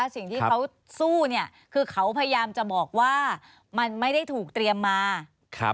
สิ่งที่เขาสู้เนี่ยคือเขาพยายามจะบอกว่ามันไม่ได้ถูกเตรียมมาครับ